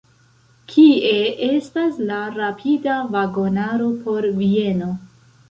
Kie estas la rapida vagonaro por Vieno?